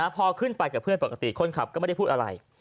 พอขึ้นไปกับเพื่อนปกติคนขับก็ไม่ได้พูดอะไร